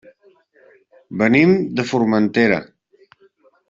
Venim de Formentera.